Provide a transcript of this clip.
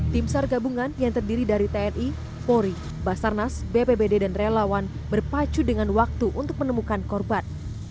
tim sar gabungan yang terdiri dari tni polri basarnas bpbd dan relawan berpacu dengan waktu untuk menemukan korban